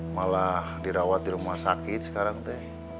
malah dirawat di rumah sakit sekarang teh